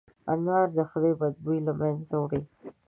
انار د خولې بد بوی له منځه وړي.